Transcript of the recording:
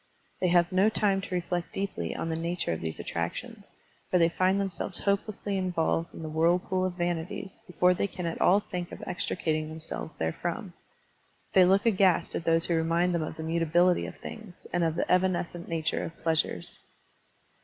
They have no time to reflect deeply on the nattire of these attrac tions, for they find themselves hopelessly involved in the whirlpool of vanities before they can at all think of extricating themselves therefrom. They look aghast at those who remind them of the mutability of things and of the evanescent nature of pleasures.